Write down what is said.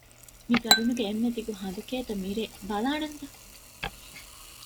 މި ގަރުނުގެ އެންމެ ދިގު ހަނދު ކޭތަ މިރޭ، ބަލާނަންތަ؟